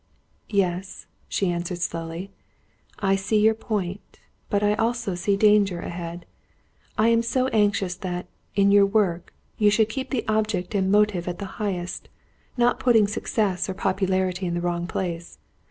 "Yes," she answered, slowly. "I see your point, but I also see danger ahead. I am so anxious that, in your work, you should keep the object and motive at the highest; not putting success or popularity in their wrong place.